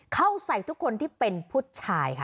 เข้าใส่ทุกคนที่เป็นผู้ชายค่ะ